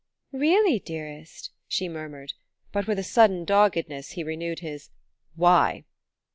"Really, dearest !" she murmured; but with a sudden doggedness he renewed his "Why?"